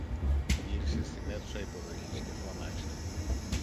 Γύρισε στην αίθουσα υποδοχής και φώναξε